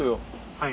はい。